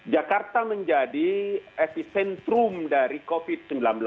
jakarta menjadi epicentrum dari covid sembilan belas